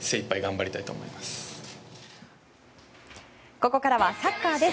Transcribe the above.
ここからはサッカーです。